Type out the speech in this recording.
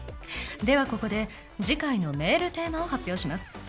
「ではここで次回のメールテーマを発表します」